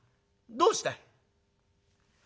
どうした？」。